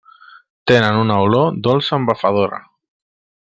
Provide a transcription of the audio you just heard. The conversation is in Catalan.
Tenen una olor dolça embafadora.